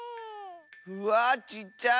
うわあちっちゃい！